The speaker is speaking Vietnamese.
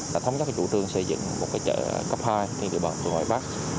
đã thống nhất với chủ tương xây dựng một cái chợ cấp hai trên địa bàn tù ngoại bắc